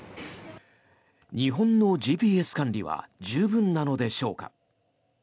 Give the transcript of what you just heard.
日本のＧＰＳ管理は十分なのでしょうか。